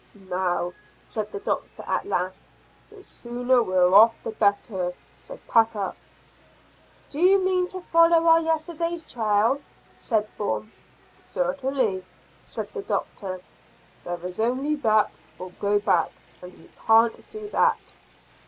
"Now," said the doctor at last, "the sooner we're off the better; so pack up." "Do you mean to follow our yesterday's trail?" said Bourne. "Certainly," said the doctor. "There is only that, or to go back; and we can't do that."